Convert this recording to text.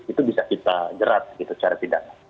itu bisa kita jerat secara tidak